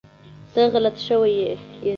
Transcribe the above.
ته غلط شوی ېي